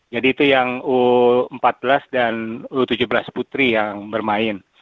jadi itu yang u empat belas dan u tujuh belas putri yang bermain